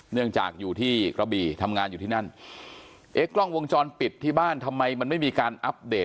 เนื่องจากอยู่ที่กระบี่ทำงานอยู่ที่นั่นเอ๊ะกล้องวงจรปิดที่บ้านทำไมมันไม่มีการอัปเดต